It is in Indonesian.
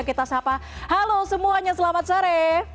kita sapa halo semuanya selamat sore